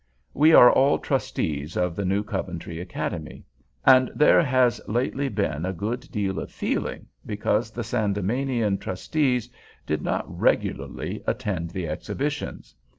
We are all trustees of the New Coventry Academy; and there has lately been "a good deal of feeling" because the Sandemanian trustees did not regularly attend the exhibitions.